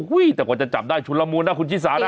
แต่กว่าจะจับได้ชุนละมูลนะคุณชิสานะ